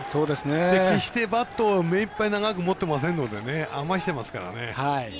決して、バットを目いっぱい持っていませんから余してますからね。